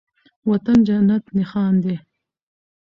وطن جنت نښان دی